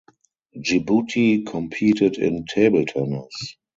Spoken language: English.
Djibouti competed in table tennis.